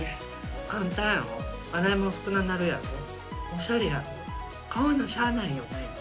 簡単やろ洗い物少ななるやろおしゃれやろ買わなしゃあないよね。